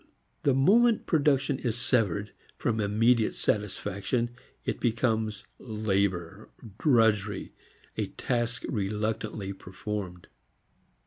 The moment production is severed from immediate satisfaction, it becomes "labor," drudgery, a task reluctantly performed.